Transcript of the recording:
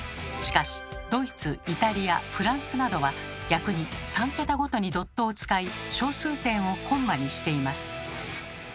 しかしドイツイタリアフランスなどは逆に３桁ごとにドットを使い小数点をコンマにしています。